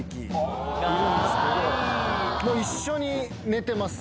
一緒に寝てます